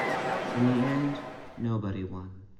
In the end, nobody won.